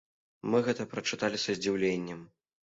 Мы гэта прачыталі са здзіўленнем.